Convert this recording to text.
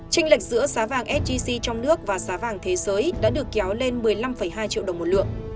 tranh lệch giữa giá vàng sgc trong nước và giá vàng thế giới đã được kéo lên một mươi năm hai triệu đồng một lượng